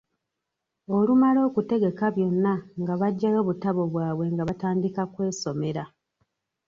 Olumala okutegeka byonna nga baggyayo butabo bwabwe nga batandika kwesomera.